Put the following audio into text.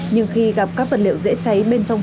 nhưng khi gặp các vật liệu dễ cháy bên trong